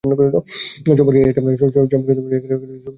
সম্পর্কের এই একটা শব্দের জন্য যেকোন কিছু করতে পারবো।